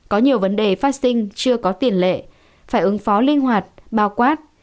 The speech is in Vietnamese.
có nhiều vấn đề phát sinh chưa có tiền lệ phải ứng phó linh hoạt bao quát